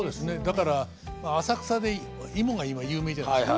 だから浅草で芋が今有名じゃないですか。